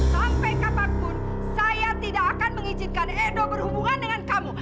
sampai kapanpun saya tidak akan mengizinkan edo berhubungan dengan kamu